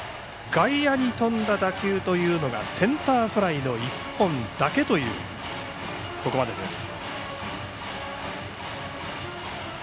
外野に飛んだ打球というのがセンターフライの１本だけというここまでです。